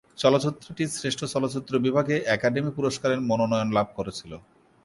চলচ্চিত্রটি শ্রেষ্ঠ চলচ্চিত্র বিভাগে একাডেমি পুরস্কারের মনোনয়ন লাভ করেছিল।